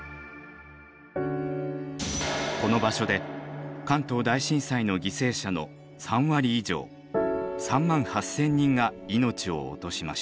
この場所で関東大震災の犠牲者の３割以上３万８千人が命を落としました。